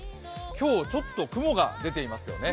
今日ちょっと雲が出ていますよね。